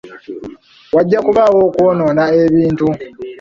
Wajja kubaawo okwonoona ebintu.